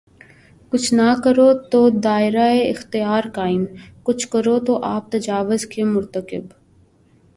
کچھ نہ کرو تو دائرہ اختیار قائم‘ کچھ کرو تو آپ تجاوز کے مرتکب۔